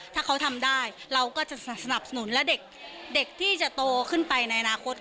ถ้าเขาทำได้เราก็จะสนับสนุนและเด็กที่จะโตขึ้นไปในอนาคต